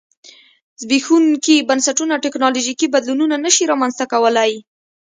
زبېښونکي بنسټونه ټکنالوژیکي بدلونونه نه شي رامنځته کولای.